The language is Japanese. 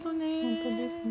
本当ですね。